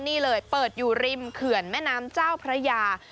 นี่เลยเปิดอยู่ริมเขื่อนแม่น้ำเจ้าพระยา